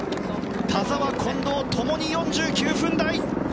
田澤、近藤ともに４９分台！